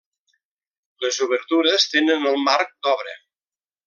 Les obertures tenen el marc d'obra.